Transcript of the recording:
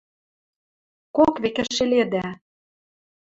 Кок векӹ шеледӓ